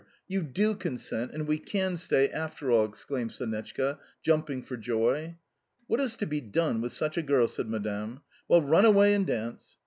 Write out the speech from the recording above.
You DO consent, and we CAN stay after all!" exclaimed Sonetchka, jumping for joy. "What is to be done with such a girl?" said Madame. "Well, run away and dance.